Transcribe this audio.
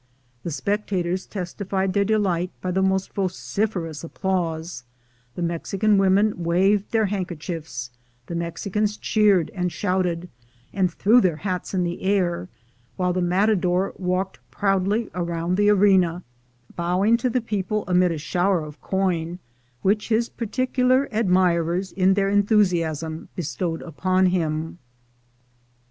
The spectators testified their delight by the most vociferous applause; the Mexican women waved their handkerchiefs, the Mexicans cheered and shouted, and threw their hats in the air, while the matador walked proudly round the arena, bowing to the people amid a shower of coin which his particular admirers in their enthusiasm bestowed upon him.